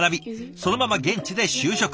そのまま現地で就職。